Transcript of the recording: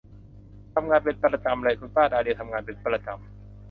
ทำงานเป็นประจำเลย คุณป้าดาเลียทำงานเป็นประจำ